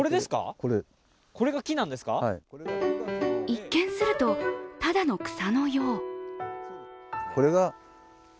一見すると、ただの草のよう。